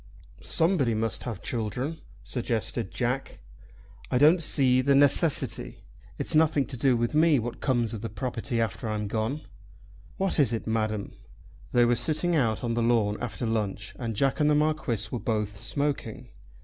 "Somebody must have children," suggested Jack. "I don't see the necessity. It's nothing to me what comes of the property after I'm gone. What is it, Madam?" They were sitting out on the lawn after lunch and Jack and the Marquis were both smoking.